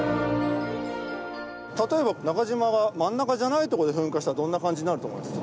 例えば中島が真ん中じゃない所で噴火したらどんな感じになると思います？